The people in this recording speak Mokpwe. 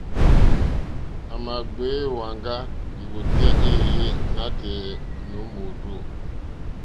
À mà gbèyá èwàŋgá lìwòtéyá éèyé nǎtɛ̀ɛ̀ nǒ mòrzô.